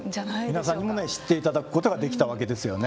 皆さんにもね知って頂くことができたわけですよね。